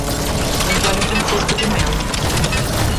Antônio Francisco de Melo